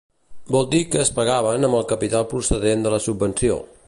Vol dir que es pagaven amb el capital procedent de la subvenció.